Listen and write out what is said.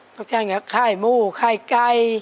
ก็จะอย่างข้ายหมูข้ายไก่